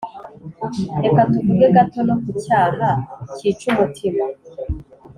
Reka tuvuge gato nokucyaha cyica umutima